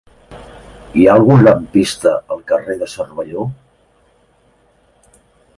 Hi ha algun lampista al carrer de Cervelló?